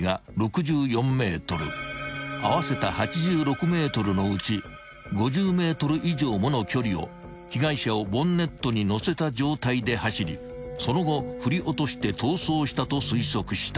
［合わせた８６ｍのうち５０ｍ以上もの距離を被害者をボンネットにのせた状態で走りその後振り落として逃走したと推測した］